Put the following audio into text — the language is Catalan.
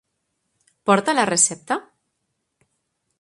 Porta la recepta?